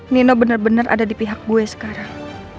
nino bener bener ada di pihak gue sekarang